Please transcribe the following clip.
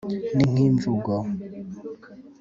ninkimvugo